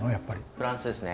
フランスですね。